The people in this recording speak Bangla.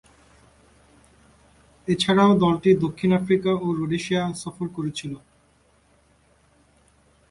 এছাড়াও দলটি দক্ষিণ আফ্রিকা ও রোডেশিয়া সফর করেছিল।